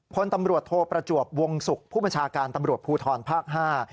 พลตำรวจโทประจวบวงศุกร์ผู้บัญชาการตำรวจภูทรภาคห้า